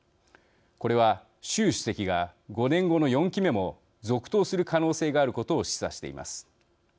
これは、習主席が５年後の４期目も続投する可能性があることを示唆しています。